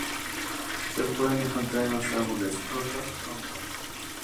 Se pueden encontrar en los árboles, rocas, troncos.